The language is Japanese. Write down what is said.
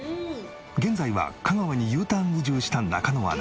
現在は香川にＵターン移住した中野アナ。